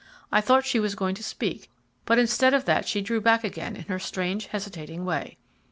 I thought she was going to speak, but instead of that she drew back again in her strange hesitating way.